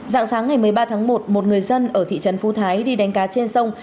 dạng sáng ngày một mươi ba tháng một một người dân ở thị trấn phú thái đi đánh cá trên sông